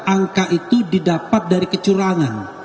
angka itu didapat dari kecurangan